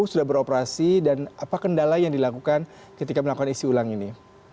sudah beroperasi dan apa kendala yang dilakukan ketika melakukan isi ulang ini